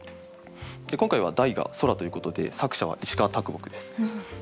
今回は題が「空」ということで作者は石川木です。